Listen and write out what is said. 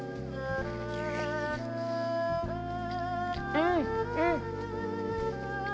うんうん！